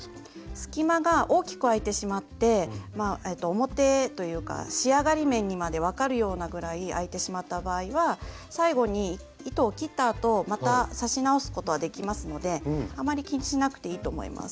隙間が大きく空いてしまって表というか仕上がり面にまで分かるようなぐらい空いてしまった場合は最後に糸を切ったあとまた刺し直すことはできますのであまり気にしなくていいと思います。